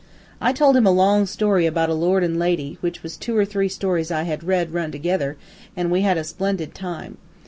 I told him a long story about a lord an' a lady, which was two or three stories I had read, run together, an' we had a splendid time.